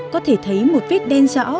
có thể thấy một vết đen rõ